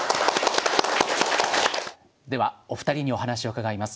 ではお二人にお話を伺います。